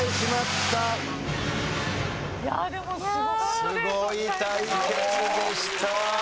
すごい対決でした！